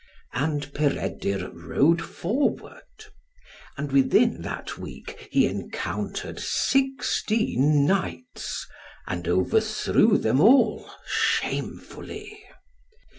And Peredur rode forward. And within that week he encountered sixteen knights, and overthrew them all shamefully.